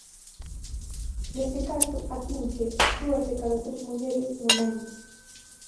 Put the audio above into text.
Nese caso, atinxe "dúas de cada tres mulleres" no mundo.